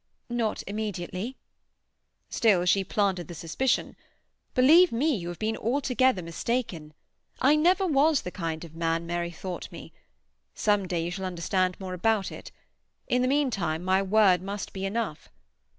"Not immediately." "Still, she planted the suspicion. Believe me, you have been altogether mistaken. I never was the kind of man Mary thought me. Some day you shall understand more about it—in the meantime my word must be enough.